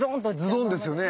ズドーンですね。